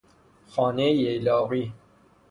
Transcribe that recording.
خانهٔ ییلاقی